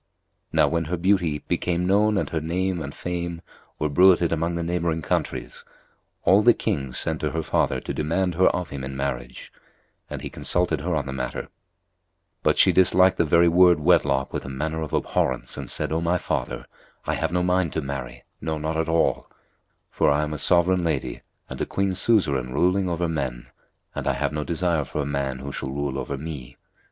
[FN#248] Now when her beauty became known and her name and fame were bruited abroad in the neighbouring countries, all the kings sent to her father to demand her of him in marriage, and he consulted her on the matter, but she disliked the very word wedlock with a manner of abhorrence and said, O my father, I have no mind to marry; no, not at all; for I am a sovereign Lady and a Queen suzerain ruling over men, and I have no desire for a man who shall rule over me.